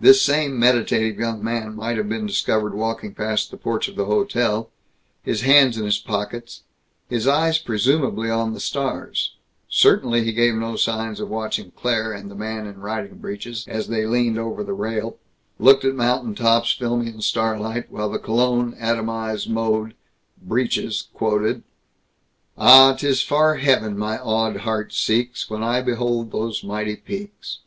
This same meditative young man might have been discovered walking past the porch of the hotel, his hands in his pockets, his eyes presumably on the stars certainly he gave no signs of watching Claire and the man in riding breeches as they leaned over the rail, looked at mountain tops filmy in starlight, while in the cologne atomized mode, Breeches quoted: Ah, 'tis far heaven my awed heart seeks When I behold those mighty peaks.